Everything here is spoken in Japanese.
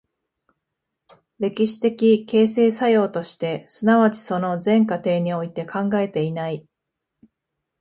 歴史的形成作用として、即ちその全過程において考えていない。